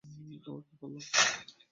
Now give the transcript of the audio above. আবার কী করলাম?